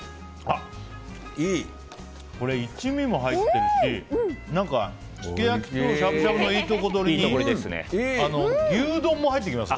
これ、一味も入ってるしすき焼きとしゃぶしゃぶのいいとこ取りで牛丼も入ってきます。